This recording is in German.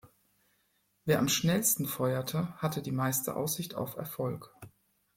Wer am schnellsten feuerte, hatte die meiste Aussicht auf Erfolg.